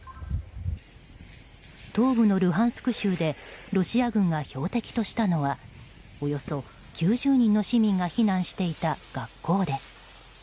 東部のルハンスク州でロシア軍が標的としたのはおよそ９０人の市民が避難していた学校です。